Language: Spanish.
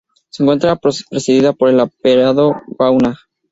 Se encuentra precedida por el Apeadero Gauna.